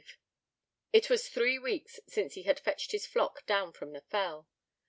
V It was three weeks since he had fetched his flock down from the fell.